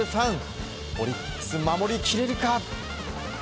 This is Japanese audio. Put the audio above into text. オリックス、守り切れるか。